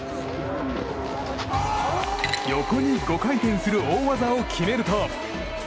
横に５回転する大技を決めると。